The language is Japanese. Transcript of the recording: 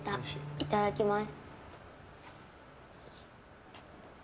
いただきます。